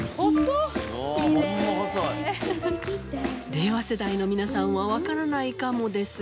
令和世代の皆さんはわからないかもですが。